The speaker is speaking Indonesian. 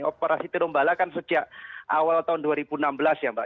operasi tirumbala kan sejak awal tahun dua ribu enam belas ya mbak